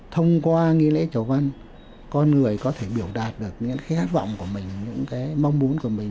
thông qua nghi lễ chầu văn con người có thể biểu đạt được những cái khát vọng của mình những cái mong muốn của mình